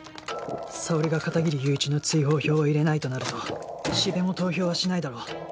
紗央莉が片切友一の追放票を入れないとなると四部も投票はしないだろう